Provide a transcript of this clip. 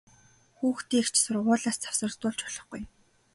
Хүүхдийг ч сургуулиас завсардуулж болохгүй!